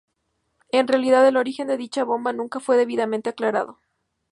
En realidad, el origen de dicha bomba nunca fue debidamente aclarado.